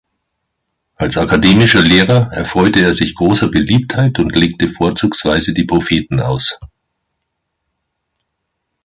Als akademischer Lehrer erfreute er sich großer Beliebtheit und legte vorzugsweise die Propheten aus.